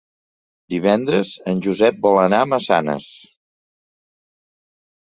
Divendres en Josep vol anar a Massanes.